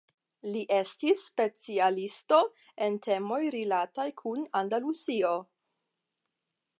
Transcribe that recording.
Li estis specialisto en temoj rilataj kun Alandalusio.